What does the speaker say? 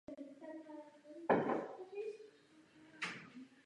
Mnoho lidí zemi po válce opustilo pro pocit nemožnosti komunitu obnovit.